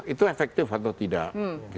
itu efektif atau tidak